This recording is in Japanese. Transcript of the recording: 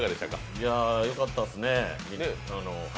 いや、よかったっすね。